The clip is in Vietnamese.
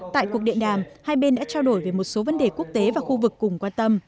tại cuộc điện đàm hai bên đã trao đổi về một số vấn đề quốc tế và khu vực cùng quan tâm